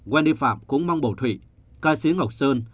endy phạm cũng mong bầu thụy ca sĩ ngọc sơn